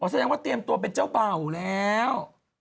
อ๋อสัญญาตร์ว่าเปรียบตัวเป็นเจ้าเปล่าแล้ว